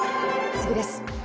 次です。